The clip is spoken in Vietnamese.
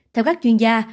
theo các chuyên gia